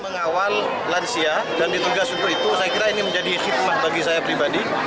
mengawal lansia dan ditugas untuk itu saya kira ini menjadi hikmah bagi saya pribadi